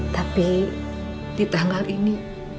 tapi di tanggal ini